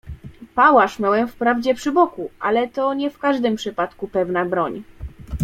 "Pałasz miałem wprawdzie przy boku, ale to nie w każdym wypadku pewna broń."